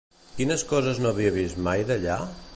Quines coses no havia vist mai d'allà?